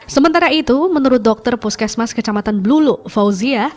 sementara itu menurut dokter puskesmas kecamatan blulu fauzia